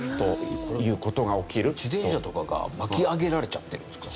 自転車とかが巻き上げられちゃってる？